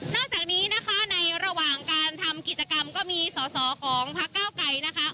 จากนี้นะคะในระหว่างการทำกิจกรรมก็มีสอสอของพักเก้าไกรนะคะ